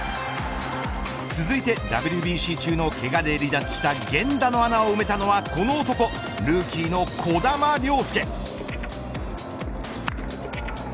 続いてＷＢＣ中のけがで離脱した源田の穴を埋めたのはこの男、ルーキーの児玉亮涼。